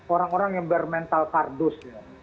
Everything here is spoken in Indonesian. orang orang yang bermental kardus ya